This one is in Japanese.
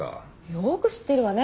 よく知ってるわね